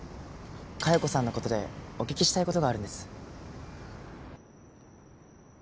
佳代子さんの事でお聞きしたい事があるんです。